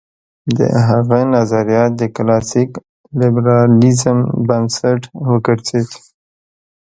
د هغه نظریات د کلاسیک لېبرالېزم بنسټ وګرځېد.